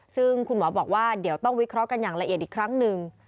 ซึ่งคุณหมอบอกว่าเดี๋ยวต้องวิเคราะห์กันอย่างละเอียดอีกครั้งหนึ่ง